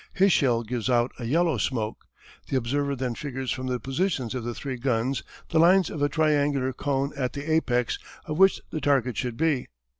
His shell gives out a yellow smoke. The observer then figures from the positions of the three guns the lines of a triangular cone at the apex of which the target should be.